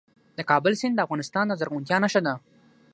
د کابل سیند د افغانستان د زرغونتیا نښه ده.